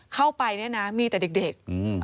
เข้าไปเนี่ยนะมีแต่เด็ก